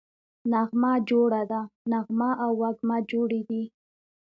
نغمه جوړه ده → نغمه او وږمه جوړې دي